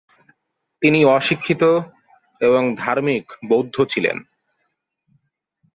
তিনি অশিক্ষিত এবং ধার্মিক বৌদ্ধ ছিলেন।